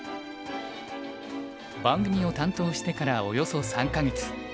番組を担当してからおよそ３か月。